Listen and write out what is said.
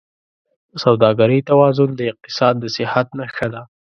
د سوداګرۍ توازن د اقتصاد د صحت نښه ده.